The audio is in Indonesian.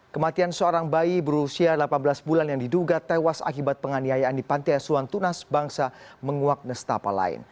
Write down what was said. kematian seorang bayi berusia delapan belas bulan yang diduga tewas akibat penganiayaan di panti asuhan tunas bangsa menguak nestapa lain